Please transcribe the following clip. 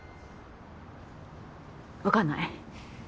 分かんない。